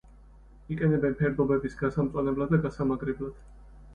იყენებენ ფერდობების გასამწვანებლად და გასამაგრებლად.